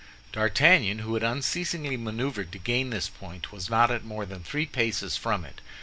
D'Artagnan, who had unceasingly maneuvered to gain this point, was not at more than three paces from it.